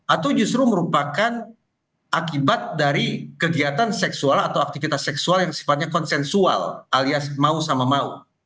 atau justru merupakan akibat dari kegiatan seksual atau aktivitas seksual yang sifatnya konsensual alias mau sama mau